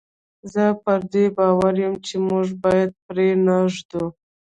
زه پر دې باور یم چې موږ باید پرې نه ږدو.